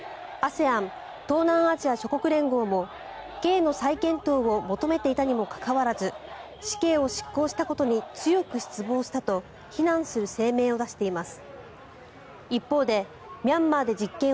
ＡＳＥＡＮ・東南アジア諸国連合も刑の再検討を求めていたにもかかわらず死刑を執行したことに強く失望したと非難する声明を出しています。